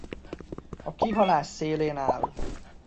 A kihalás szélén áll!